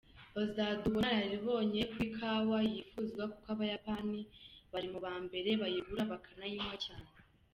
Bazaduha ubunararibonye ku ikawa yifuzwa, kuko Abayapani bari mu ba mbere bayigura bakanayinywa cyane”.